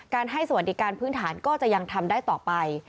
ให้สวัสดิการพื้นฐานก็จะยังทำได้ต่อไป